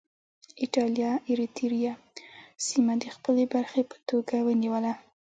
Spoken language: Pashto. اېټالیا اریتیریا سیمه د خپلې برخې په توګه ونیوله.